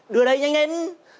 đưa đây nhanh lên